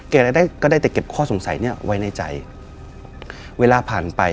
ได้ก็ได้แต่เก็บข้อสงสัยเนี้ยไว้ในใจเวลาผ่านไป